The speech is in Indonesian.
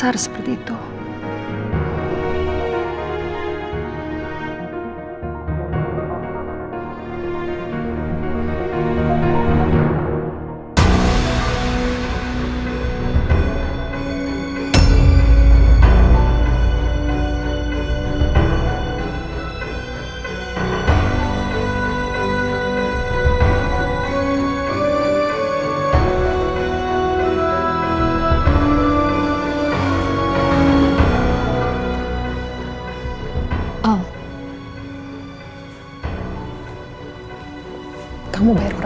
aduh aduh aduh